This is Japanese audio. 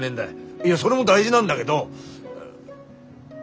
いやそれも大事なんだげど。